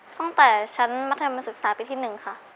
ตั้งแต่ชั้นมัธยมศึกษาปีที่๑ค่ะ